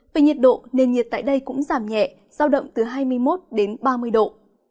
về nhiệt độ nền nhiệt tại đây cũng giảm nhẹ giao động từ hai mươi một đến ba mươi độ